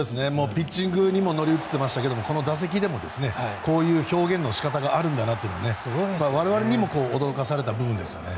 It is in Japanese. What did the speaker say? ピッチングにも乗り移っていましたけどこの打席でもこういう表現の仕方があるんだなと我々にも驚かされた部分ですよね。